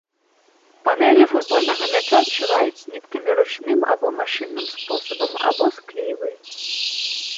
Панэлі футбольнага мяча сшываюць ніткамі ручным або машынным спосабам, або склейваюць.